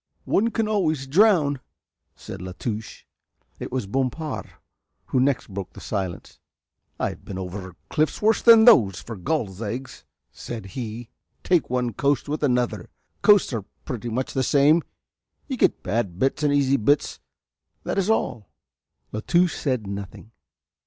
"One can always drown," said La Touche. It was Bompard who next broke the silence. "I've been over cliffs worse than those, for gulls eggs," said he, "take one coast with another, coasts are pretty much the same, you get bad bits and easy bits, that is all." La Touche said nothing.